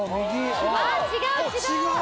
違う違う。